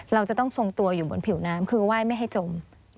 เราจะต้องทรงตัวอยู่บนผิวน้ำคือไหว้ไม่ให้จม